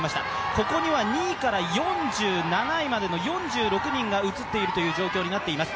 ここには２位から４７位までの４６人が映っているという状況になっています。